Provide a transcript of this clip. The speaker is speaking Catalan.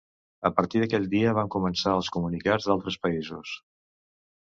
A partir d'aquell dia van començar els comunicats d'altres països.